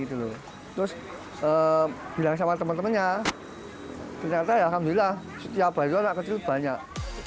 terus bilang sama teman temannya ternyata ya alhamdulillah setiap hari anak kecil banyak